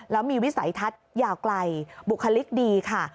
แล้วมีวิสัยทัศน์ยาวไกลบุคลิกดีค่ะ